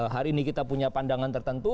hari ini kita punya pandangan tertentu